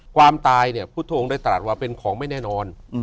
ความตายเนี่ยพุทธองค์ได้ตรัสว่าเป็นของไม่แน่นอน